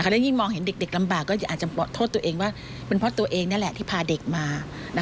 และยิ่งมองเห็นเด็กลำบากก็อาจจะโทษตัวเองว่าเป็นเพราะตัวเองนั่นแหละที่พาเด็กมา